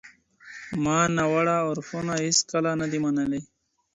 ما ناوړه عرفونه هیڅکله ندي منلي.